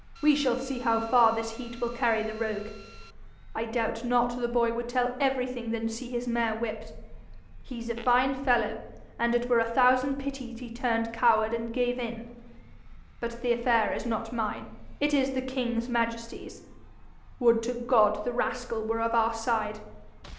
We shall see how far this heat will carry the rogue! I doubt not the boy would tell everything than see his mare whipped. He's a fine fellow, and it were a thousand pities he turned coward and gave in. But the affair is not mine; it is the king's majesty's. Would to God the rascal were of our side!